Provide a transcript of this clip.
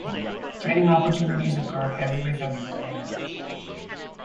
Training opportunities occur every February and March.